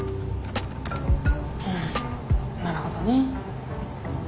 うんなるほどね。